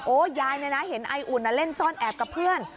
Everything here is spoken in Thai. โอ้ยายเห็นไออุ่นเล่นซ่อนแอบกับเพื่อน